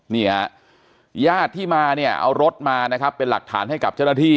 นี่ฮะญาติที่มาเนี่ยเอารถมานะครับเป็นหลักฐานให้กับเจ้าหน้าที่